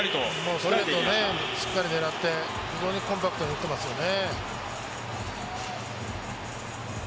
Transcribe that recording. ストレート狙って非常にコンパクトに打ってますよね。